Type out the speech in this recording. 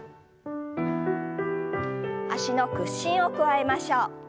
脚の屈伸を加えましょう。